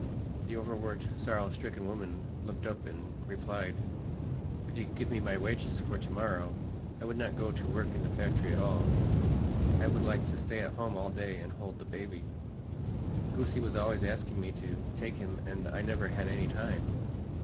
The overworked, sorrow stricken woman looked up and replied, "If you could give me my wages for to morrow, I would not go to work in the factory at all. I would like to stay at home all day and hold the baby. Goosie was always asking me to take him and I never had any time."